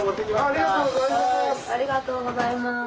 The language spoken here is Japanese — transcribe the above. ありがとうございます。